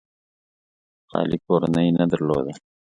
خالي کورنۍ نه درلوده.